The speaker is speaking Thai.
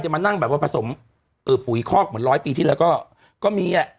แบบว่าผสมปุ๋ยคอกเหมือน๑๐๐ปีที่แล้วก็มี